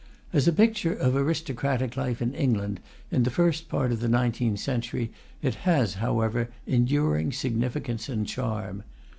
As a picture of aristocratic life in England in the first part of the nineteenth century it has, however, enduring significance and charm.